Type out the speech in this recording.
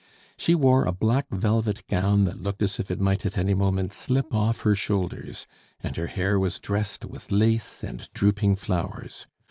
She wore a black velvet gown that looked as if it might at any moment slip off her shoulders, and her hair was dressed with lace and drooping flowers.